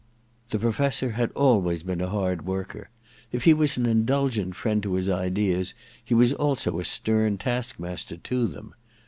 The Professor had always been a hard worker. If he was an indulgent friend to his ideas he was also a stern taskmaster to them.